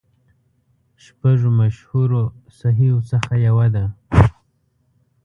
شپږو مشهورو صحیحو څخه یوه ده.